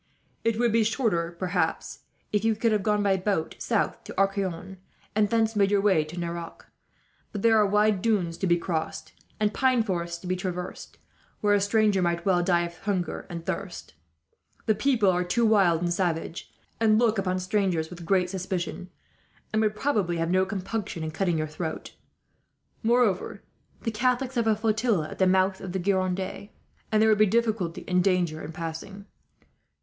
It would be shorter, perhaps, if you could have gone by boat south to Arcachon and thence made your way to Nerac; but there are wide dunes to be crossed, and pine forests to be traversed, where a stranger might well die of hunger and thirst. The people, too, are wild and savage, and look upon strangers with great suspicion; and would probably have no compunction in cutting your throat. Moreover, the Catholics have a flotilla at the mouth of the Gironde, and there would be difficulty and danger in passing.